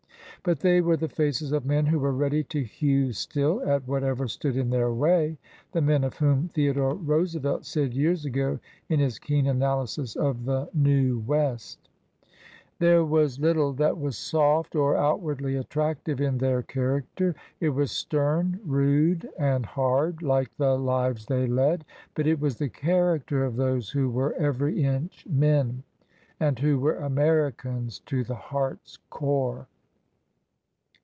But they were the faces of men who were ready to hew still at whatever stood in their way,— the men of whom Theodore Roosevelt said years ago in his keen analysis of the New West : There was little that was soft or outwardly attractive in their character; it was stern, rude, and hard, like the lives they led ; but it was the character of those who were every inch men, and who were Americans to the heart's core."